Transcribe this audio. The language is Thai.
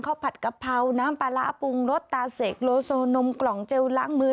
ผัดกะเพราน้ำปลาร้าปรุงรสตาเสกโลโซนมกล่องเจลล้างมือ